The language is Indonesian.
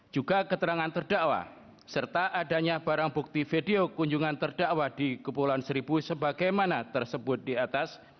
juga keterangan terdakwa serta adanya barang bukti video kunjungan terdakwa di kepulauan seribu sebagaimana tersebut di atas